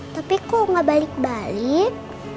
tapi kok gak balik balik